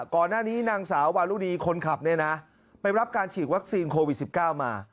นางสาววารุณีคนขับเนี่ยนะไปรับการฉีดวัคซีนโควิด๑๙มา